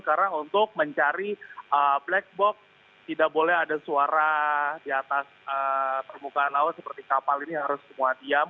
karena untuk mencari black box tidak boleh ada suara di atas permukaan laut seperti kapal ini harus semua diam